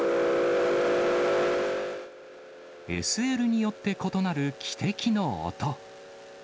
ＳＬによって異なる汽笛の音。